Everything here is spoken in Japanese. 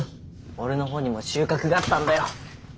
俺のほうにも収穫があったんだよ。